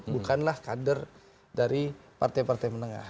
bukanlah kader dari partai partai menengah